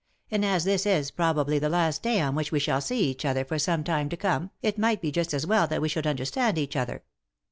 And as this is probably the last day on which we shall see each other for some time to come, it might be just as well that we should understand each other.